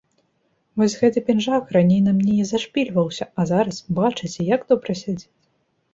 Вось гэты пінжак раней на мне на зашпільваўся, а зараз, бачыце, як добра сядзіць.